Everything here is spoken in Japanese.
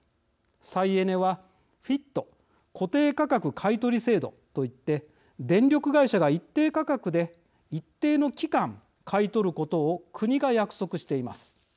再エネはＦＩＴ＝固定価格買取制度といって電力会社が一定価格で一定の期間買い取ることを国が約束しています。